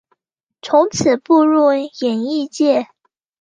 从此步入演艺界。